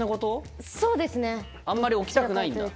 あんまり置きたくないんだ。